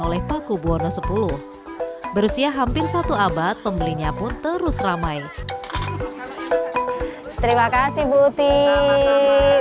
oleh paku buwono x berusia hampir satu abad pembelinya pun terus ramai terima kasih buti